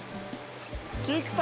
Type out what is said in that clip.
菊田